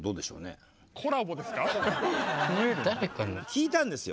聞いたんですよ。